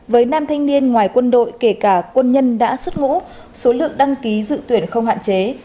với nam thanh niên ngoài quân đội kể cả quân nhân đã xuất ngũ số lượng đăng ký dự tuyển không hạn chế